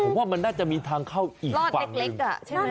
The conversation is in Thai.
ผมว่ามันน่าจะมีทางเข้าอีกฝั่งหนึ่ง